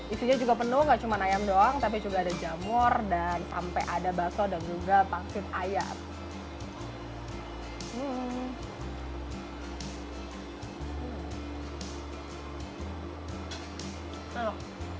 isinya juga penuh gak cuma ayam doang tapi juga ada jamur dan sampai ada bakso dan juga vaksin ayam